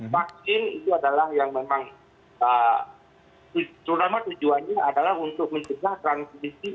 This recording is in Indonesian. vaksin itu adalah yang memang terutama tujuannya adalah untuk mencegah transmisi